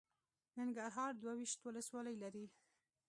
ننګرهار دوه ویشت ولسوالۍ لري.